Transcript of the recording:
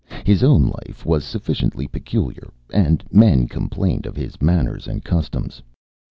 His own life was sufficiently peculiar, and men complained of his manners and customs.